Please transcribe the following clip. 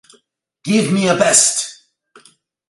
Give me a vest!